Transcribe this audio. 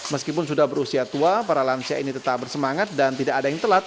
meskipun sudah berusia tua para lansia ini tetap bersemangat dan tidak ada yang telat